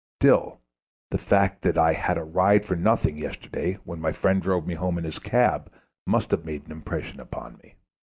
Still, the fact that I had a ride for nothing yesterday when my friend drove me home in his cab must have made an impression upon me.